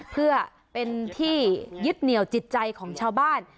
เพื่อเป็นที่ยึดเหนียวจิตใจของชาวบ้าน